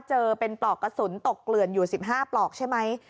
เจอเป็นปลอกกระสุนตกเกลื่อนอยู่๑๕ปลอกใช่ไหม